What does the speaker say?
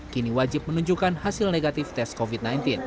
kini wajib menunjukkan hasil negatif tes covid sembilan belas